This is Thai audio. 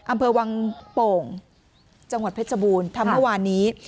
อำเภอวังโป่งจังหวัดเพชรบูรณ์ทำเมื่อวานนี้